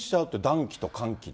暖気と寒気で。